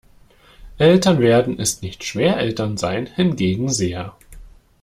Eltern werden ist nicht schwer, Eltern sein hingegen sehr.